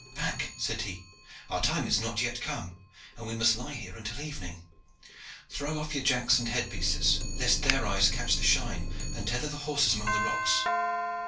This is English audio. "Back!" said he. "Our time is not yet come, and we must lie here until evening. Throw off your jacks and headpieces, least their eyes catch the shine, and tether the horses among the rocks."